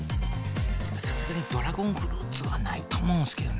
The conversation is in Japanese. さすがにドラゴンフルーツはないと思うんですけどね。